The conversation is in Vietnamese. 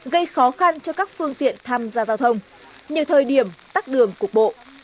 gây khó khăn cho các phương tiện tham gia giao thông nhiều thời điểm tắt đường cuộc bộ